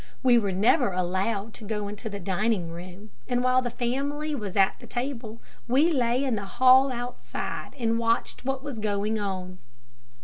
We were never allowed to go into the dining room, and while the family was at the table, we lay in the hall outside and watched what was going on.